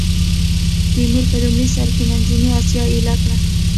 تیمور په لومړي سر کې منځنۍ اسیا ایل کړه.